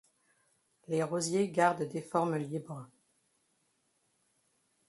Les rosiers gardent des formes libres.